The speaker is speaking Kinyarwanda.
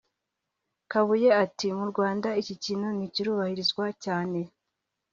Kabuye ati “Mu Rwanda iki kintu ntikirubahirizwa cyane